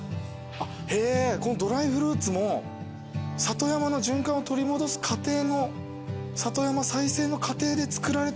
へぇこのドライフルーツも里山の循環を取り戻す過程の里山再生の過程で作られたフルーツだったりする。